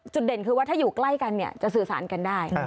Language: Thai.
เด่นคือว่าถ้าอยู่ใกล้กันเนี่ยจะสื่อสารกันได้